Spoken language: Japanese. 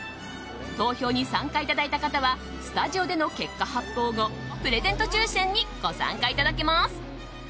投票に参加いただいた方はスタジオでの結果発表後プレゼント抽選にご参加いただけます。